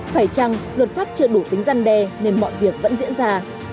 phải chăng luật pháp chưa đủ tính răn đe nên mọi việc vẫn diễn ra